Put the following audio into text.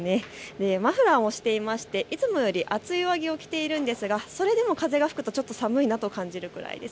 マフラーをしていましていつもより厚い上着を着ているんですがそれでも風が吹くとちょっと寒いなと感じるぐらいです。